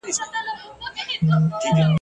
دلته به کور وي د ظالمانو ..